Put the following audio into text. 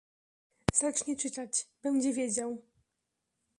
"Zacznie czytać: będzie wiedział."